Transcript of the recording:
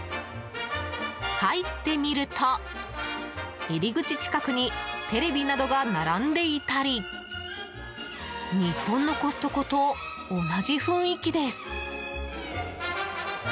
入ってみると、入り口近くにテレビなどが並んでいたり日本のコストコと同じ雰囲気です。